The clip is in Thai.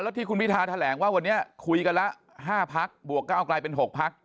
ที่คุณพิทาแถลงว่าวันนี้คุยกันละ๕พักบวกก้าวกลายเป็น๖พัก